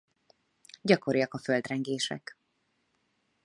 Gyakoriak a földrengések.